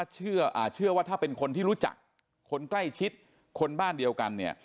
เชื่อว่าถ้าเป็นคนที่รู้จักคนใกล้ชิดคนบ้านเดียวกันเนี่ย